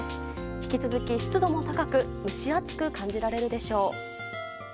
引き続き、湿度も高く蒸し暑く感じられるでしょう。